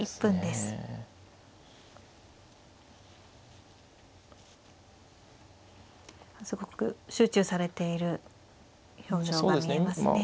すごく集中されている表情が見えますね。